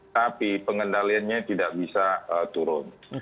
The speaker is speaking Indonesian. tapi pengendaliannya tidak bisa turun